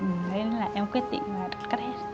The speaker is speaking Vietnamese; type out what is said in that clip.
nên là em quyết định là cắt hết